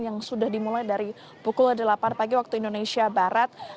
yang sudah dimulai dari pukul delapan pagi waktu indonesia barat